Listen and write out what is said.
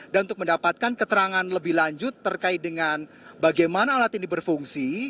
dan untuk mendapatkan keterangan lebih lanjut terkait dengan bagaimana alat ini berfungsi